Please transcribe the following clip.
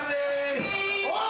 おい！